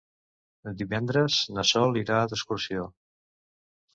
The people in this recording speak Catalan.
Divendres na Sol irà d'excursió.